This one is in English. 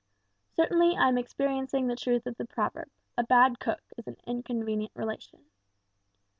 Certainly I am experiencing the truth of the proverb, 'A bad cook is an inconvenient relation.